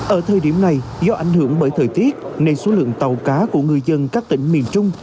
ở thời điểm này do ảnh hưởng bởi thời tiết nên số lượng tàu cá của ngư dân các tỉnh miền trung